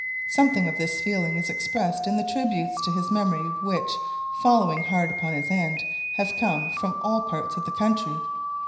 Something of this feeling is expressed in the tributes to his memory which, following hard upon his end, have come from all parts of the country.